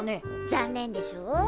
残念でしょう？